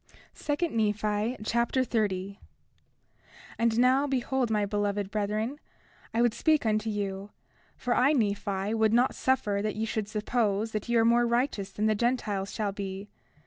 2 Nephi Chapter 30 30:1 And now behold, my beloved brethren, I would speak unto you; for I, Nephi, would not suffer that ye should suppose that ye are more righteous than the Gentiles shall be.